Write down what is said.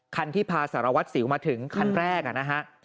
คันที่พาสารวัตรสิวมาถึงคันแรกนะฮะ